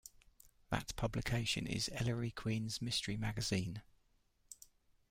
That publication is "Ellery Queen's Mystery Magazine".